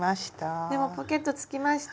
でもポケットつきました！